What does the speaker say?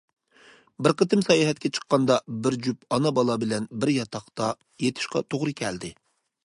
بىر قېتىم ساياھەتكە چىققاندا، بىر جۈپ ئانا- بالا بىلەن بىر ياتاقتا يېتىشقا توغرا كەلدى.